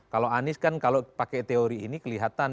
kalau anies kan kalau pakai teori ini kelihatan